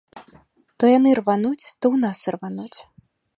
То яны рвануць, то ў нас ірвануць.